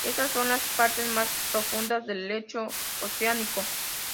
Estas son las partes más profundas del lecho oceánico.